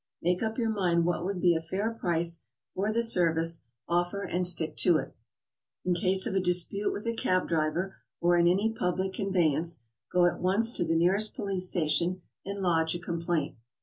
Make up your mind what would be a fair price for the service, offer, and stick to it. In case of a dispute with a cab driver or in any public conveyance, go at once to the nearest police station and HOW TO TRAVEL ABROAD. 79 lodge a complaint.